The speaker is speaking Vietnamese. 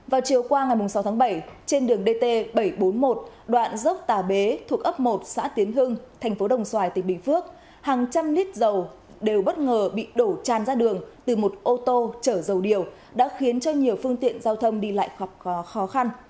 vào chiều qua ngày sáu tháng bảy trên đường dt bảy trăm bốn mươi một đoạn dốc tà bế thuộc ấp một xã tiến hưng thành phố đồng xoài tỉnh bình phước hàng trăm lít dầu đều bất ngờ bị đổ tràn ra đường từ một ô tô chở dầu điều đã khiến cho nhiều phương tiện giao thông đi lại gặp khó khăn